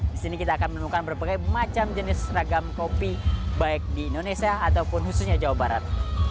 di sini kita akan menemukan berbagai macam jenis ragam kopi baik di indonesia ataupun khususnya jawa barat